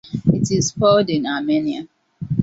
It is found in Armenia.